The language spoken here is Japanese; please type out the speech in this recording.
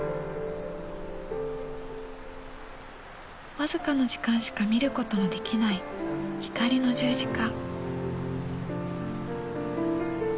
僅かの時間しか見ることのできない光の十字架。